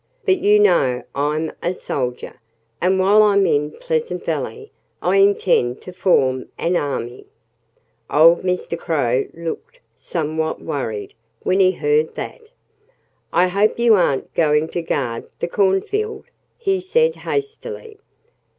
"But you know I'm a soldier. And while I'm in Pleasant Valley I intend to form an army." Old Mr. Crow looked somewhat worried when he heard that. "I hope you aren't going to guard the cornfield!" he said hastily.